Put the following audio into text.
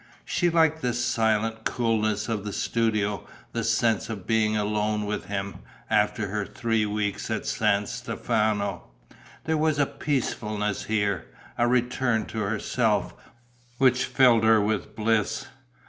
She liked the silent coolness of the studio, the sense of being alone with him, after her three weeks at San Stefano. There was a peacefulness here, a return to herself, which filled her with bliss.